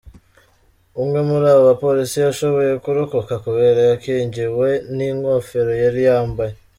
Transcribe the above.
Umwe muri abo bapolisi yashoboye kurokoka kubera yakingiwe n'inkofero yari yambaye.